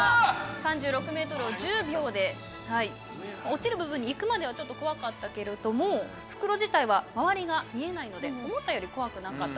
落ちる部分に行くまではちょっと怖かったけれども袋自体は周りが見えないので思ったより怖くなかった。